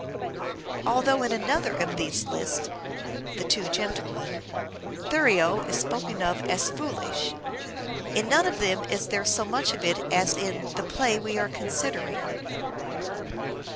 Although in another of these lists (" The Two Gentleman ") Thurio is spoken of as " foolish," in none of them is there so much of it as in the play we are considering.